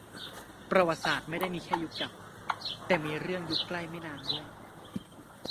ประวัติศาสตร์ไม่ได้มีแค่ยุคเก่า แต่มีเรื่องยุคใกล้ไม่นานด้วย